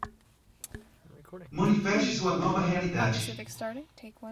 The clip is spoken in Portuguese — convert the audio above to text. Manifeste sua nova realidade